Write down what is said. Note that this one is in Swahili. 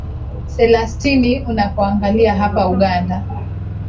selastin unapoangalia hapa uganda